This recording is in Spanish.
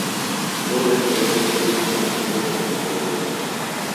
Luego de esto Drake sigue siendo perseguido por la mujer obesa.